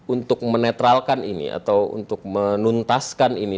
untuk menetralkan ini atau untuk menuntaskan ini